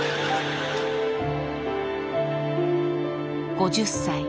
５０歳。